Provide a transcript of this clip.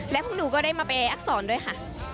และพวกหนูก็ได้มาไปอักษรด้วยค่ะ